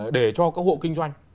để cho các hộ kinh doanh